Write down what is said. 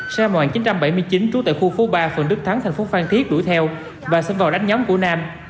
xe mạng chín trăm bảy mươi chín trú tại khu phố ba phường đức thắng tp phan thiết đuổi theo và xâm vào đánh nhóm của nam